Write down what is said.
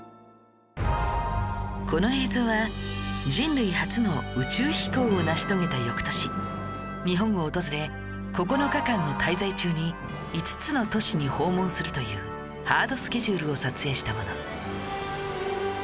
この映像は人類初の宇宙飛行を成し遂げた翌年日本を訪れ９日間の滞在中に５つの都市に訪問するというハードスケジュールを撮影したもの